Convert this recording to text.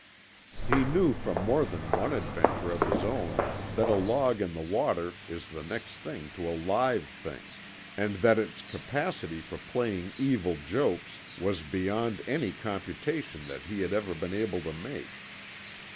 He knew from more than one adventure of his own that a log in the water is the next thing to a live thing, and that its capacity for playing evil jokes was beyond any computation that he had ever been able to make.